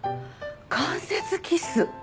間接キス。